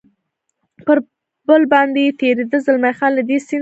پر پل باندې تېرېده، زلمی خان: له دې سیند سره.